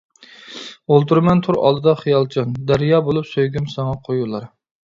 ئولتۇرىمەن تور ئالدىدا خىيالچان، دەريا بولۇپ سۆيگۈم ساڭا قۇيۇلار.